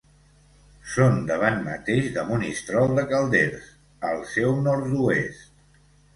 Són davant mateix de Monistrol de Calders, al seu nord-oest.